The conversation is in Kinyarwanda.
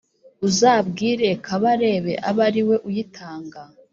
uzabwire Kabarebe abe ariwe uyitanga